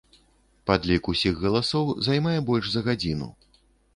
Падлік усіх галасоў займае больш за гадзіну.